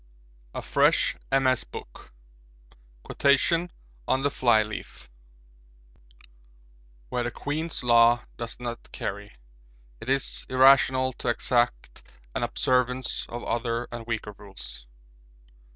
A FRESH MS. BOOK Quotations on the Flyleaf 'Where the (Queen's) Law does not carry it is irrational to exact an observance of other and weaker rules.'